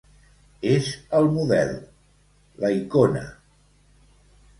És el model, la icona.